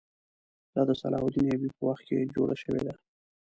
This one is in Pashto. دا د صلاح الدین ایوبي په وخت کې جوړه شوې ده.